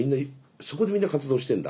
そこでみんな活動してんだ。